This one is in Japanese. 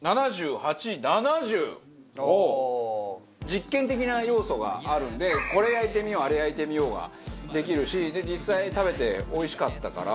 実験的な要素があるんでこれ焼いてみようあれ焼いてみようができるし実際食べておいしかったから。